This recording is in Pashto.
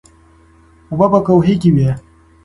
اوبه په کوهي کې وې.